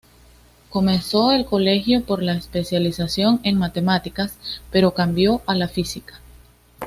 Comenzó el colegio por la especialización en matemáticas, pero cambió a la física.